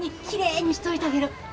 きれいにしといたげる。